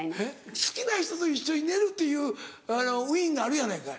好きな人と一緒に寝るっていうウィンがあるやないかい。